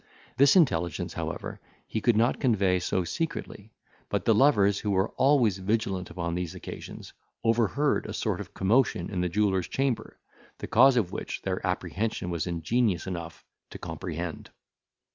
This intelligence, however, he could not convey so secretly, but the lovers, who were always vigilant upon these occasions, overheard a sort of commotion in the jeweller's chamber, the cause of which their apprehension was ingenious enough to comprehend.